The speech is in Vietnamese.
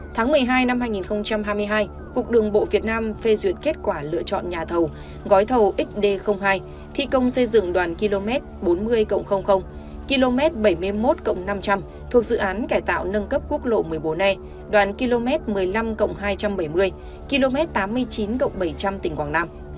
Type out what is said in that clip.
tháng một mươi hai năm hai nghìn hai mươi hai cục đường bộ việt nam phê duyệt kết quả lựa chọn nhà thầu gói thầu xd hai thi công xây dựng đoàn km bốn mươi km bảy mươi một năm trăm linh thuộc dự án cải tạo nâng cấp quốc lộ một mươi bốn e đoạn km một mươi năm hai trăm bảy mươi km tám mươi chín bảy trăm linh tỉnh quảng nam